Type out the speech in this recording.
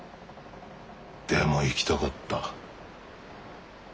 でも生きたかった。